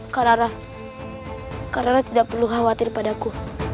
kak rara kak rara tidak perlu khawatir padaku